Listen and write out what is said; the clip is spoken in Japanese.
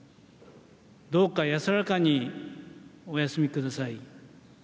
どうか安らかにお休みください。